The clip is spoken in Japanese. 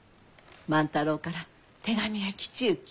万太郎から手紙が来ちゅうき。